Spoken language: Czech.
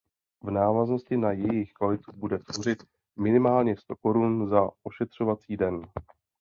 V návaznosti na jejich kvalitu bude tvořit minimálně sto korun za ošetřovací den.